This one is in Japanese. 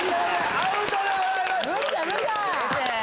アウトでございます。